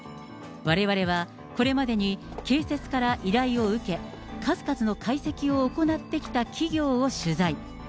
われわれは、これまでに警察から依頼を受け、数々の解析を行ってきた企業を取材。